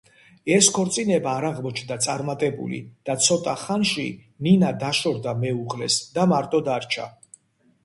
ეს ქორწინება არ აღმოჩნდა წარმატებული და ცოტა ხანში ნინა დაშორდა მეუღლეს და მარტო დარჩა.